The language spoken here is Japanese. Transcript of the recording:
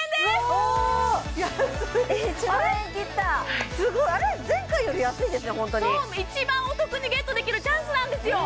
ホントにそう一番お得にゲットできるチャンスなんですよ